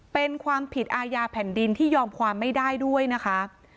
เป็นความผิดอาญาแผ่นดินที่ยอมความไม่ได้ด้วยนะคะ